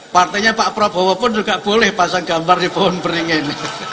partainya pak prabowo pun juga boleh pasang gambar di pohon beringin